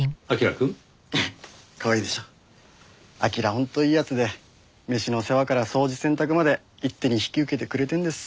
本当いい奴で飯の世話から掃除洗濯まで一手に引き受けてくれてるんです。